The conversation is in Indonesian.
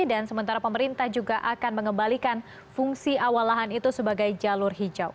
dan sementara pemerintah juga akan mengembalikan fungsi awal lahan itu sebagai jalur hijau